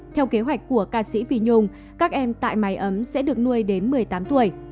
theo kế hoạch của ca sĩ phi nhung các em tại mái ấm sẽ được nuôi đến một mươi tám tuổi